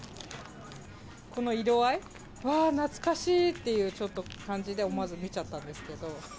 この色合い、わー、懐かしいという感じで、ちょっと、感じで、思わず見ちゃったんですけど。